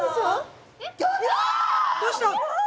どうした？